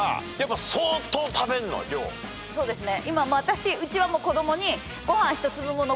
そうですね。